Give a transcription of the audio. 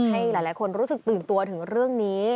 ให้หลายคนรู้สึกตื่นตัวถึงเรื่องนี้